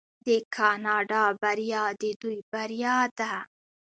د کاناډا بریا د دوی بریا ده.